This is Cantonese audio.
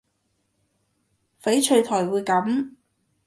翡翠台會噉